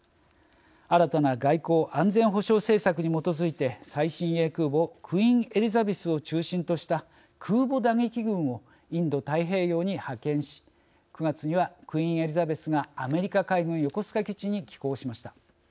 新たな外交・安全保障政策に基づいて最新鋭空母クイーンエリザベスを中心とした空母打撃群をインド太平洋に派遣し９月にはクイーンエリザベスがアメリカ海軍横須賀基地に寄港しました。